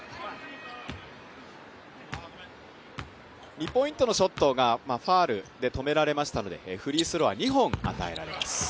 ２ポイントのショットがファウルで止められましたので、フリースローは２本与えられます。